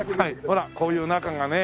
ほらこういう中がね。